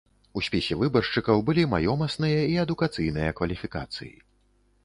У спісе выбаршчыкаў былі маёмасныя і адукацыйныя кваліфікацыі.